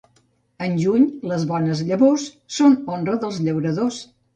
En juny, les bones llavors, són honra dels llauradors.